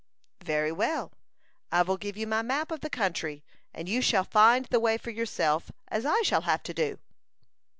"Very well; I will give you my map of the country, and you shall find the way for yourself, as I shall have to do."